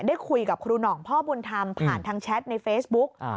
ได้คุยกับครูหน่องพ่อบุญธรรมผ่านทางแชทในเฟซบุ๊ก